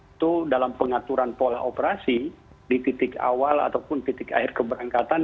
itu dalam pengaturan pola operasi di titik awal ataupun titik akhir keberangkatan